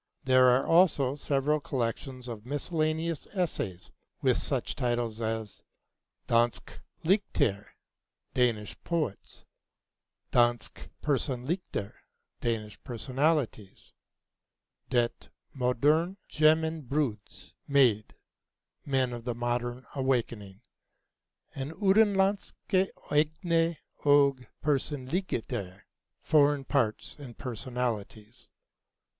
There are also several collections of miscellaneous essays, with such titles as 'Danske Digtere' (Danish Poets), 'Danske Personligheder' (Danish Personalities), 'Det Moderne Gjennembruds Mænd' (Men of the Modern Awakening), and 'Udenlandske Egne og Personligheder' (Foreign Parts and Personalities).